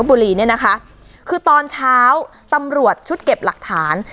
สลับผัดเปลี่ยนกันงมค้นหาต่อเนื่อง๑๐ชั่วโมงด้วยกัน